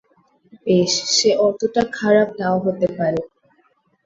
বেশ, সে অতোটা খারাপ নাও হতে পারে।